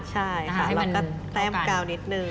ใช่ค่ะเราก็แต้มกาวนิดนึง